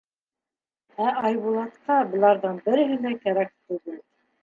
Ә Айбулатҡа быларҙың береһе лә кәрәк түгел.